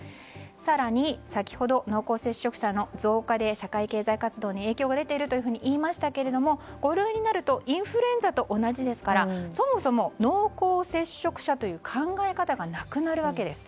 更に先ほど濃厚接触者の増加で社会経済活動に影響が出ているといいましたが五類になるとインフルエンザと同じですからそもそも濃厚接触者という考え方がなくなるわけです。